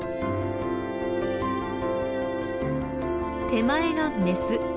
手前がメス。